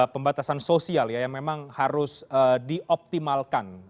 pembatasan sosial ya yang memang harus dioptimalkan